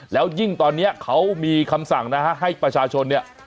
แล้วยิ่งตอนนี้เขามีคำสั่งนะฮะให้ประชาชนเนี่ย